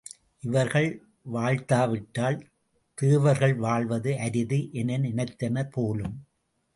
இவர்கள் வாழ்த்தாவிட்டால் தேவர்கள் வாழ்வது அரிது என நினைத்தனர் போலும்.